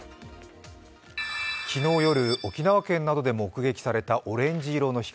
昨日夜、沖縄県などで目撃されたオレンジ色の光。